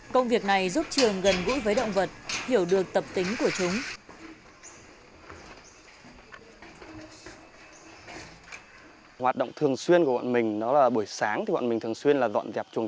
công việc này giúp trường gần gũi với động vật hiểu được tập tính của chúng